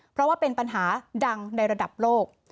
เพราะว่าเป็นปัญหาดังในระดับโลก